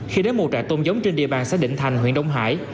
khi đến mùa trại tôm giống trên địa bàn xã đình thành huyện đông hải